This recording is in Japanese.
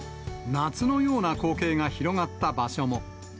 夏のような光景が広がった場所も。